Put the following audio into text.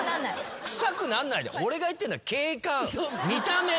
臭くなんない俺が言ってるのは景観見た目。